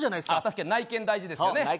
そう内見大事ですよね